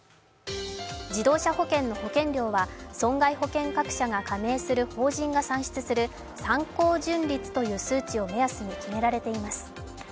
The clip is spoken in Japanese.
自動車保険の保険料は損害保険各社が加盟する法人が算出する参考純率という数値を目安に決められています。